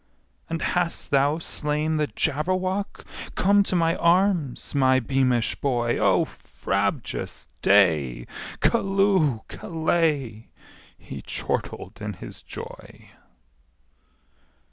"And hast thou slain the Jabberwock? Come to my arms, my beamish boy! O frabjous day! Callooh! Callay!" He chortled in his joy.